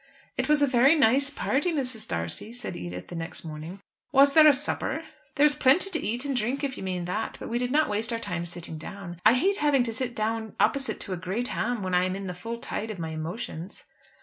"It was a very nice party, Mrs. D'Arcy," said Edith the next morning. "Was there a supper?" "There was plenty to eat and drink, if you mean that, but we did not waste our time sitting down. I hate having to sit down opposite to a great ham when I am in the full tide of my emotions."